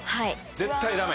絶対ダメ？